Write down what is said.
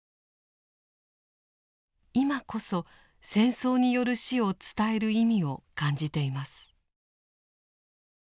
今こそ戦争による死を伝える意味を感じています。